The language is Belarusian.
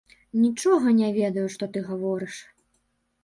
Нічога не ведаю, што ты гаворыш.